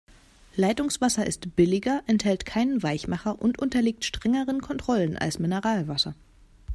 Leitungswasser ist billiger, enthält keinen Weichmacher und unterliegt strengeren Kontrollen als Mineralwasser.